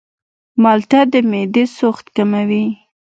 مالټه د معدې سوخت کموي.